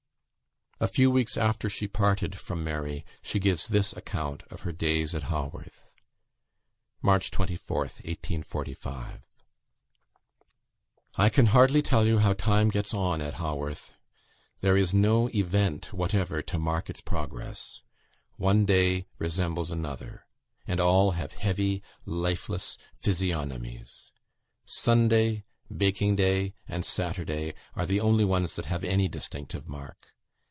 '" A few weeks after she parted from Mary, she gives this account of her days at Haworth. "March 24th, 1845. "I can hardly tell you how time gets on at Haworth. There is no event whatever to mark its progress. One day resembles another; and all have heavy, lifeless physiognomies. Sunday, baking day, and Saturday, are the only ones that have any distinctive mark.